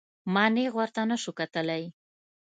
ما نېغ ورته نسو کتلى.